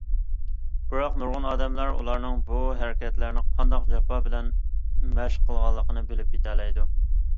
بىراق نۇرغۇن ئادەملەر ئۇلارنىڭ بۇ ھەرىكەتلەرنى قانداق جاپا بىلەن مەشىق قىلغانلىقىنى بىلىپ يېتەلمەيدۇ.